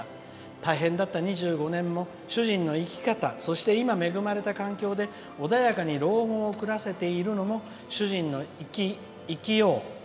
大変だった２５年も主人の生き方そして今恵まれた環境で穏やかに老後を暮らせているのも主人の生きよう。